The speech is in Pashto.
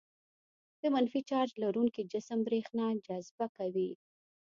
د منفي چارج لرونکي جسم برېښنا جذبه کوي.